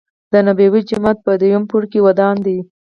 دنبوی جومات په دویم پوړ کې ودان دی.